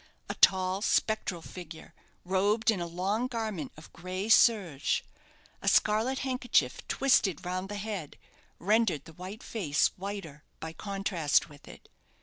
A tall, spectral figure, robed in a long garment of grey serge; a scarlet handkerchief twisted round the head rendered the white face whiter by contrast with it.